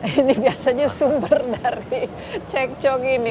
ini biasanya sumber dari cekcong ini